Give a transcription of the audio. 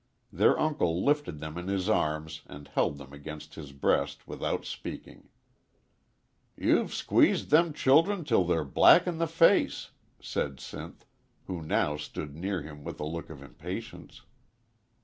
Their uncle lifted them in his arms and held them against his breast without speaking. "You've squeezed them childern till they're black in the face," said Sinth, who now stood near him with a look of impatience.